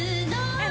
えっ？